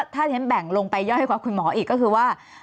ถ้าที่ฉันแบ่งลงไปย่อยกว่าคุณหมออีกก็คือว่า